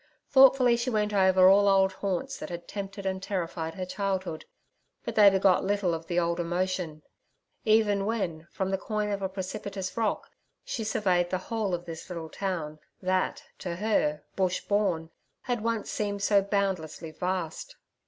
Thoughtfully she went over all old haunts that had tempted and terrified her childhood. But they begot little of the old emotion, even when from the coign of a precipitous rock she surveyed the whole of this little town that, to her—bush born—had once seemed so boundlessly vast.